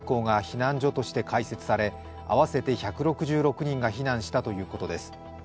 現場近くの小学校が避難所として開設され、合わせて１６６人が避難したということです。